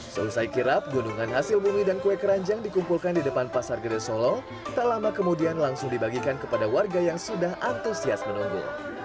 selesai kirap gunungan hasil bumi dan kue keranjang dikumpulkan di depan pasar gede solo tak lama kemudian langsung dibagikan kepada warga yang sudah antusias menunggu